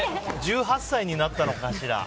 １８歳になったのかしら？